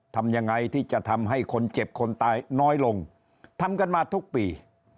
ทำยังไงที่จะทำให้คนเจ็บคนตายน้อยลงทำกันมาทุกปี